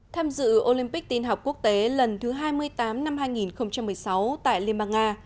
tham dự olympic tin học quốc tế lần thứ hai mươi tám năm hai nghìn một mươi sáu tại liên bang nga